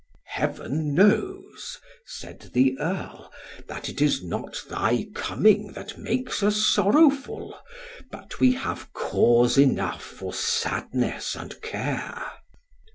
"Heaven knows," said the Earl, "that it is not thy coming that makes us sorrowful, but we have cause enough for sadness and care."